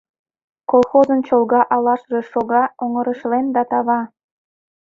Колхозын Чолга алашаже шога оҥырешлен да тава.